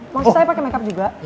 maksud saya pakai make up juga